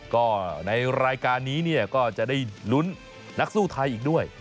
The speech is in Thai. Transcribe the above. ก็ในรายการนี้เนี่ยก็จะได้ลุ้นนักสู้ไทยอีกด้วย